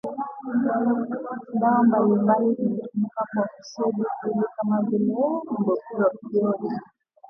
Dawa mbalimbali zimetumika kwa kusudi hili kama vile bupropioni